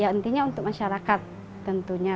intinya untuk masyarakat tentunya